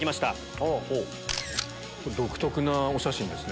独特なお写真ですね。